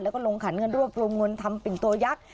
แล้วก็ลงขันเงินรวบตัวงนทำเป็นตัวยักษ์